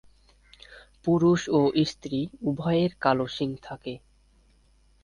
পুরুষ ও স্ত্রী উভয়ের কাল শিং থাকে।